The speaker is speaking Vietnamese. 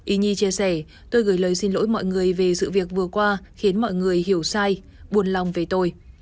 ý nhi chia sẻ tôi gửi lời xin lỗi mọi người về sự việc vừa qua khiến mọi người hiểu sai buồn lòng về tôi